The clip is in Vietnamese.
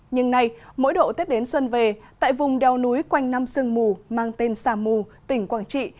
nhưng nay mỗi độ tết đến xuân về tại vùng đèo núi quanh nam sơn mù mang tên sa mù tỉnh quảng trị